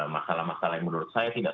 masalah masalah yang menurut saya tidak